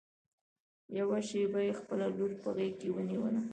يوه شېبه يې خپله لور په غېږ کې ونيوله.